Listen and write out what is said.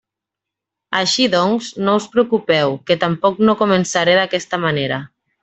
Així doncs, no us preocupeu, que tampoc no començaré d'aquesta manera.